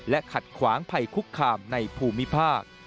และขัดขวางภัยคุกคามในภูมิภาค